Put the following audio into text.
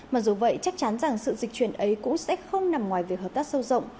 mặc dù vậy chắc chắn rằng sự dịch chuyển ấy cũng sẽ không nằm ngoài việc hợp tác sâu rộng